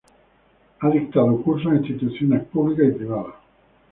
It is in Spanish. Ha dictado cursos en instituciones públicas y privadas.